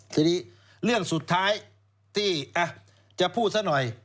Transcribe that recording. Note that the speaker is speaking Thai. สุดท้ายเรื่องที่จะพูดสักหน่อย